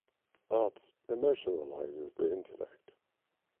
Art emotionalizes the intellect.